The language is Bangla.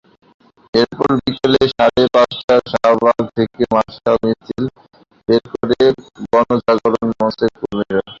এরপর বিকেল সাড়ে পাঁচটায় শাহবাগ থেকে মশাল মিছিল বের করেন গণজাগরণ মঞ্চের কর্মীরা।